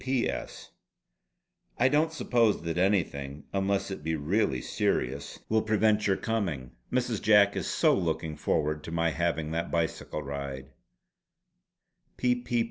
"P.P.S. I don't suppose that anything, unless it be really serious, will prevent your coming. Mrs. Jack is so looking forward to my having that bicycle ride.